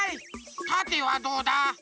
たてはどうだ？